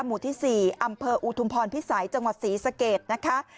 หมู่ที่๔อำเภออุทุมพรพิสัยจังหวัดศรีสะเกดนะคะ